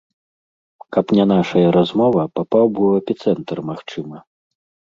Каб не нашая размова, папаў бы ў эпіцэнтр магчыма.